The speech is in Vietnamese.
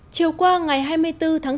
chiều qua ngày hai mươi bốn tháng bốn